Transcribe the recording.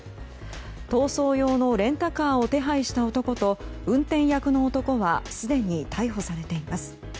逃走用のレンタカーを手配した男と運転役の男はすでに逮捕されています。